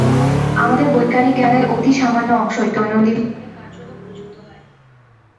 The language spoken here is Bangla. আমাদের বৈজ্ঞানিক জ্ঞানের অতি সামান্য অংশই দৈনন্দিন জীবনে কার্যত প্রযুক্ত হয়।